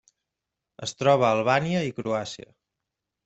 Es troba a Albània i Croàcia.